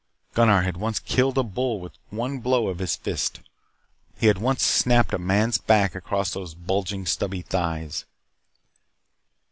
Gunnar had once killed a bull with one blow of his fist. He had once snapped a man's back across those bulging, stubby thighs.